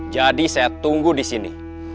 jadi saya tunggu di sini